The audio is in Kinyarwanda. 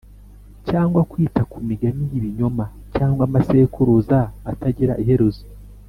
cyangwa kwita ku migani y’ibinyoma cyangwa amasekuruza atagira iherezo